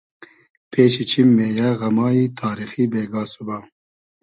پېشی چیم مې یۂ غئمای تاریخی بېگا سوبا